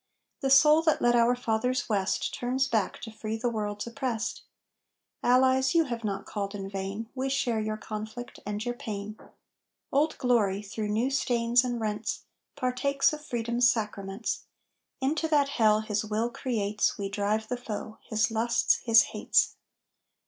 The soul that led our fathers west Turns back to free the world's oppressed! Allies, you have not called in vain; We share your conflict and your pain. "Old Glory," through new stains and rents, Partakes of Freedom's sacraments. Into that hell his will creates We drive the foe his lusts, his hates.